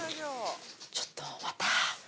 ちょっとまた。